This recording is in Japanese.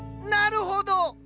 なるほど！